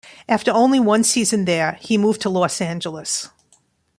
After only one season there, he moved to Los Angeles.